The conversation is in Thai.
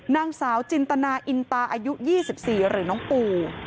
นางสาวจินตนาอินตาอายุ๒๔หรือน้องปู